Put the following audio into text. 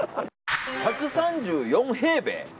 １３４平米。